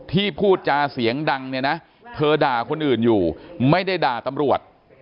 พูดจาเสียงดังเนี่ยนะเธอด่าคนอื่นอยู่ไม่ได้ด่าตำรวจ